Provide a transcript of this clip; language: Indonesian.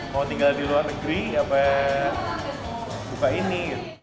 mau tinggal di luar negeri apa buka ini